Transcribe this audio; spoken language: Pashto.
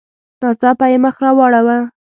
ناڅاپه یې مخ را واړاوه.